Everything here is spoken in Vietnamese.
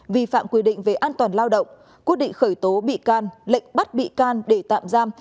vi phạm quy định về an toàn lao động quyết định khởi tố bị can lệnh bắt bị can để tạm giam